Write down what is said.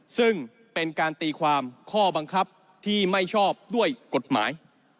ซึ่งเป็นการตีความข้อบังคับที่ไม่ชอบด้วยกฎหมาย